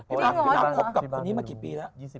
พี่นางคบกับคนนี้มากี่ปีแล้ว